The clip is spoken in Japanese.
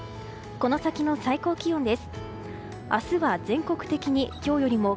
この先の最高気温です。